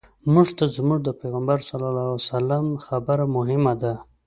موږ ته زموږ د پیغمبر صلی الله علیه وسلم خبره مهمه ده.